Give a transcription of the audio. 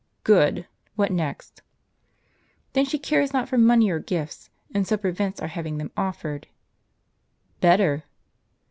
" Good ! what next ?"" Then she cares not for money or gifts ; and so prevents our having them offered." " Better